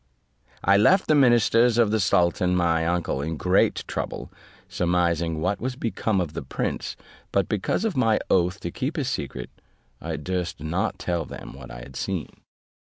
I left the ministers of the sultan my uncle in great trouble, surmising what was become of the prince: but because of my oath to keep his secret, I durst not tell them what I had seen.